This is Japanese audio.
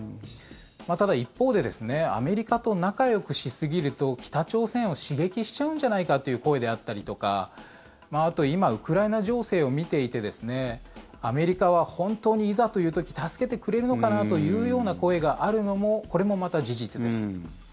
ただ、一方でですねアメリカと仲よくしすぎると北朝鮮を刺激しちゃうんじゃないかという声であったりとかあと、今ウクライナ情勢を見ていてアメリカは本当にいざという時助けてくれるのかな？というような声があるのもこれもまた事実です。